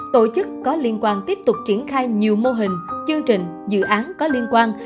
tổ chức có liên quan tiếp tục triển khai nhiều mô hình chương trình dự án có liên quan